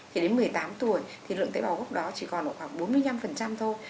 thì đến một mươi tám tuổi thì lượng tế bào gốc đó chỉ còn ở khoảng bốn mươi năm thôi